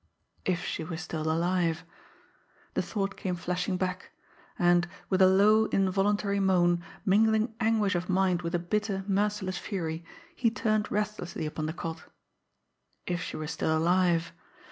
If she were still alive! The thought came flashing back; and with a low, involuntary moan, mingling anguish of mind with a bitter, merciless fury, he turned restlessly upon the cot. If she were still alive!